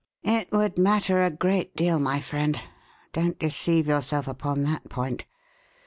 "It would matter a great deal, my friend don't deceive yourself upon that point.